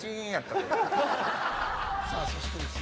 さあそしてですね